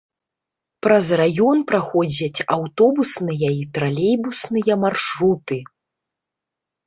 Праз раён праходзяць аўтобусныя і тралейбусныя маршруты.